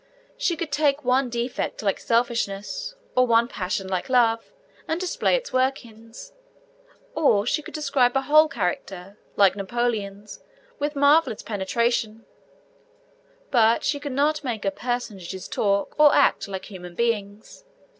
She could take one defect like selfishness, or one passion like love, and display its workings; or she could describe a whole character, like Napoleon's, with marvellous penetration; but she could not make her personages talk, or act like human beings.